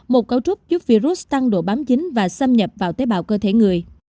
một cấu trúc giúp virus tăng độ bám dính và xâm nhập vào tế bào cơ thể người